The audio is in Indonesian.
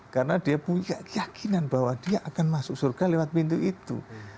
karena dia punya keyakinan bahwa dia akan masuk surga lewat pintu itu